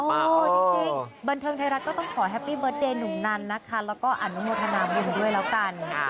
จริงบันเทิงไทยรัฐก็ต้องขอแฮปปี้เบิร์ตเดย์หนุ่มนันนะคะแล้วก็อนุโมทนาบุญด้วยแล้วกัน